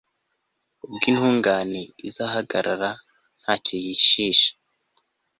ubwo intungane izahagarare nta cyo yishisha